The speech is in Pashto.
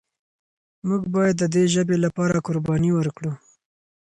موږ باید د دې ژبې لپاره قرباني ورکړو.